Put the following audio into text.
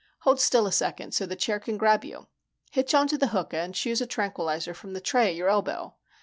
"Hold still a second so the chair can grab you. Hitch onto the hookah and choose a tranquilizer from the tray at your elbow.